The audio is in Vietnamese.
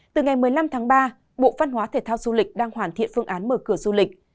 từ ngày một mươi năm tháng ba bộ văn hóa thể thao du lịch đang hoàn thiện phương án mở cửa du lịch